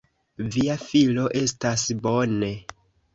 Via filo estas bone.